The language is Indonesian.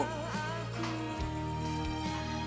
dia adalah anakku